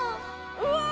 うわ